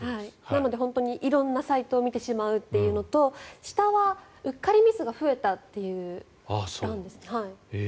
なので色んなサイトを見てしまうというのと下はうっかりミスが増えたという。